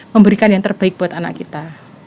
memberikan yang terbaik buat anak kita